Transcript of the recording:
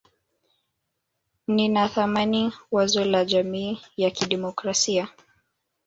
Ninathamini wazo la jamii ya kidemokrasia